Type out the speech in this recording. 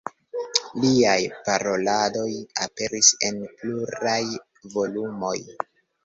Liaj paroladoj aperis en pluraj volumoj.